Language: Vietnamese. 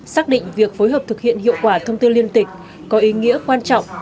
xác định việc phối hợp thực hiện hiệu quả thông tư liên tịch có ý nghĩa quan trọng